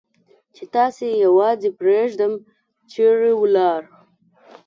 چې تاسې یوازې پرېږدم، چېرې ولاړ؟